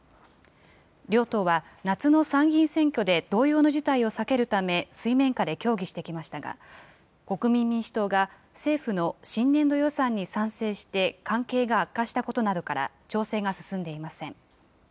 両党は夏の参議院選挙で同様の事態を避けるため水面下で協議してきましたが、国民民主党が、政府の新年度予算に賛成して関係が悪化したことなどから調整が進んでいません。